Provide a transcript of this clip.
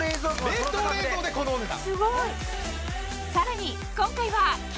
冷凍冷蔵でこのお値段。